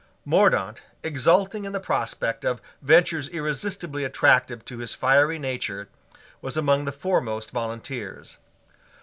Mordaunt, exulting in the prospect of adventures irresistibly attractive to his fiery nature, was among the foremost volunteers.